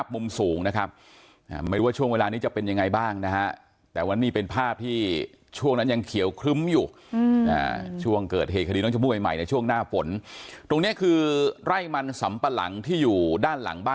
พูดอย่างนี้ดีกว่านะครับว่ามาช่วยกันหาความจริงนะครับ